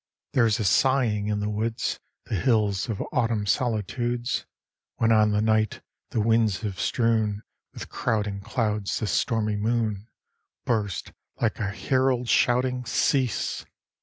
There is a sighing in the woods, The hills of autumn solitudes, When on the night, the winds have strewn With crowding clouds, the stormy moon Bursts like a herald shouting _Cease!